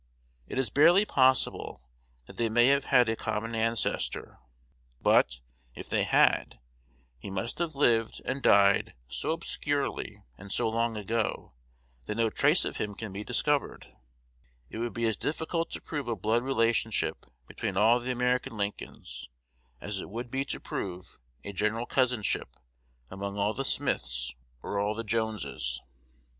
It is barely possible that they may have had a common ancestor; but, if they had, he must have lived and died so obscurely, and so long ago, that no trace of him can be discovered. It would be as difficult to prove a blood relationship between all the American Lincolns, as it would be to prove a general cousinship among all the Smiths or all the Joneses.